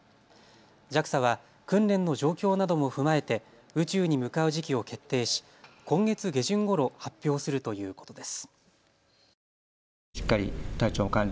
ＪＡＸＡは訓練の状況なども踏まえて宇宙に向かう時期を決定し今月下旬ごろ発表するということです。